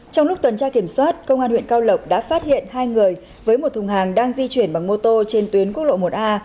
trong lúc tuần tra kiểm soát công an huyện cao lộc đã phát hiện hai người với một thùng hàng đang di chuyển bằng mô tô trên tuyến quốc lộ một a